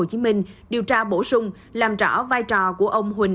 để đảm bảo điều tra bổ sung làm rõ vai trò của ông huỳnh